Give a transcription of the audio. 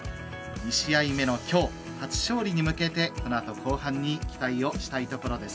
２試合目のきょう初勝利に向けてこのあと後半に期待をしたいところです。